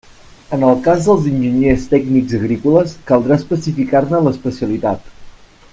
En el cas dels enginyers tècnics agrícoles, caldrà especificar-ne l'especialitat.